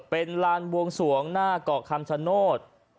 เป็นลานบวงสวงหน้าเกาะคำชโนธ